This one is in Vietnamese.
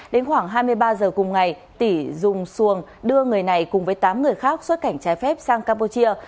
đến khoảng hai mươi ba giờ cùng ngày tỉ dùng xuồng đưa người này cùng với tám người khác xuất cảnh trái phép sang campuchia